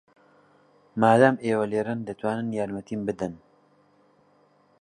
مادام ئێوە لێرەن، دەتوانن یارمەتیم بدەن.